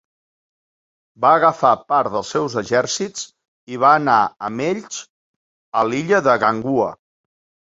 Va agafar part dels seus exèrcits i va anar amb ells a l'illa de Ganghwa.